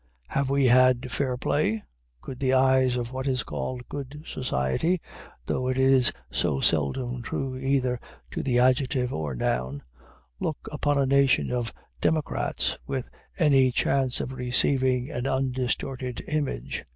Have we had fair play? Could the eyes of what is called Good Society (though it is so seldom true either to the adjective or noun) look upon a nation of democrats with any chance of receiving an undistorted image?